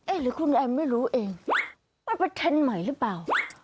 เอ๊ะหรือคุณยายไม่รู้เองว่าเป็นเทรนด์ใหม่หรือเปล่า